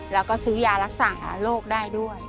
แล้วก็ซื้อยารักษาโรคได้ด้วย